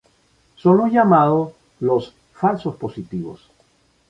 Son los llamados los "falsos positivos".